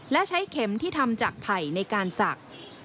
และใช้เข็มที่ทำจากไผ่ในการศักดิ์